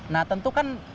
nah tentu kan